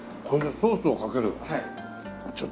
これでソースをかけるんだ。